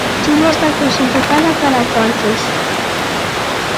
Chile está clasificada para cuartos.